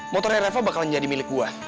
motor ereva bakalan jadi milik gue